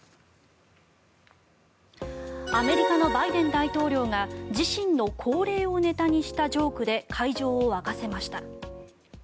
アメリカのバイデン大統領が自身の高齢をネタにしたジョークで会場を沸かせました。